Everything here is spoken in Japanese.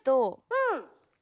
うん。